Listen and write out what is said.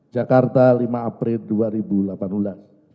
jakarta lima april